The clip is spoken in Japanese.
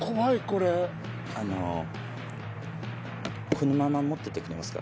このまま持っててくれますか